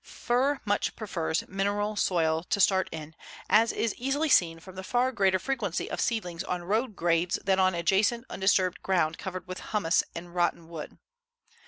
Fir much prefers mineral soil to start in, as is easily seen from the far greater frequency of seedlings on road grades than on adjacent undisturbed ground covered with humus and rotten wood.